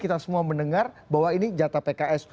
kita semua mendengar bahwa ini jatah pks